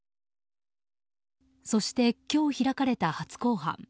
そして今日開かれた初公判。